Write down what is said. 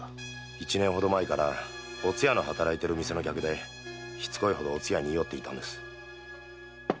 一年ほど前からおつやの働いてる店の客でしつこいほどおつやに言い寄っていたんです。